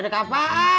buapak lu kemana fu